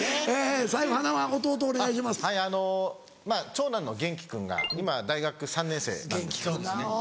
長男の元輝君が今大学３年生なんです。